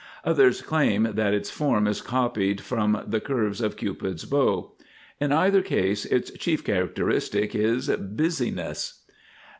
Others claim that its form is copied from the curves of Cupid's Bow. In either case its chief characteristic is Busy ness.